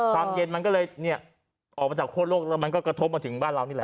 ความเย็นมันก็เลยเนี่ยออกมาจากคั่วโลกแล้วมันก็กระทบมาถึงบ้านเรานี่แหละ